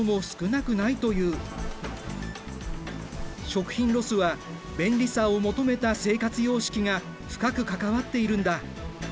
食品ロスは便利さを求めた生活様式が深く関わっているんだ。